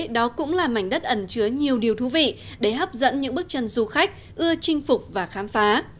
đó cũng là mảnh đất ẩn chứa nhiều điều thú vị để hấp dẫn những bước chân du khách ưa chinh phục và khám phá